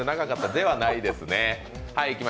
ではないですね。